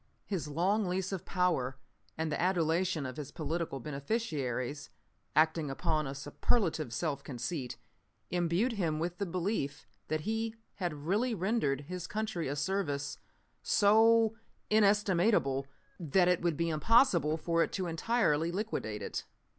"His long lease of power and the adulation of his political beneficiaries, acting upon a superlative self conceit, imbued him with the belief that he had really rendered his country a service so inestimable that it would be impossible for it to entirely liquidate it.